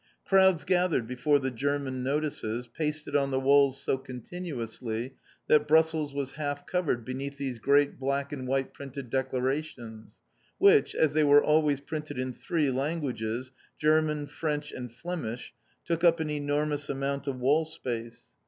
Crowds gathered before the German notices, pasted on the walls so continuously that Brussels was half covered beneath these great black and white printed declarations, which, as they were always printed in three languages German, French and Flemish took up an enormous amount of wall space.